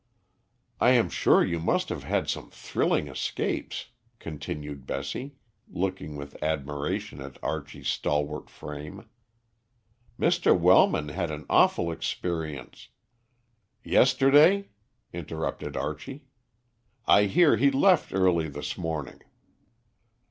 "I am sure you must have had some thrilling escapes," continued Bessie, looking with admiration at Archie's stalwart frame. "Mr. Wellman had an awful experience " "Yesterday?" interrupted Archie. "I hear he left early this morning."